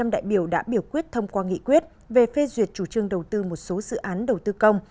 một trăm linh đại biểu đã biểu quyết thông qua nghị quyết về phê duyệt chủ trương đầu tư một số dự án đầu tư công